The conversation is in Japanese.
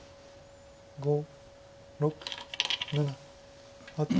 ５６７８。